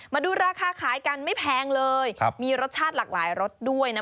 มาดูราคาขายกันไม่แพงเลยมีรสชาติหลากหลายรสด้วยนะ